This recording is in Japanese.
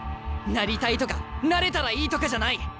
なりたいとかなれたらいいとかじゃない。